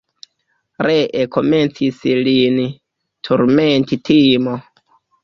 Ree komencis lin turmenti timo.